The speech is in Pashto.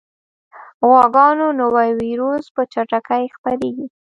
غواګانو نوی ویروس په چټکۍ خپرېږي.